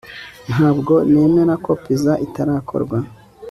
Ntabwo nemera ko pizza itarakorwa